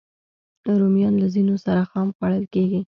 رومیان له ځینو سره خام خوړل کېږي